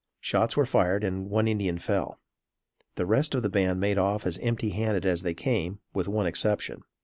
Shots were fired and one Indian fell. The rest of the band made off as empty handed as they came, with one exception.